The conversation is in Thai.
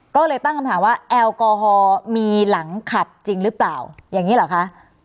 ก็เลยตั้งคำถามว่าแอลกอฮอลมีหลังขับจริงหรือเปล่าอย่างนี้เหรอคะ